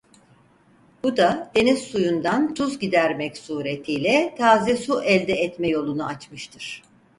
Bu da deniz suyundan tuz gidermek suretiyle taze su elde etme yolunu açmıştır.